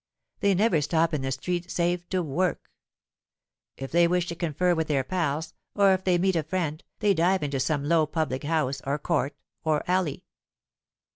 They never stop in the street, save to 'work.' If they wish to confer with their pals, or if they meet a friend, they dive into some low public house, or court, or alley.